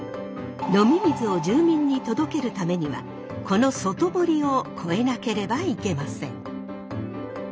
飲み水を住民に届けるためにはこの外堀を越えなければいけません。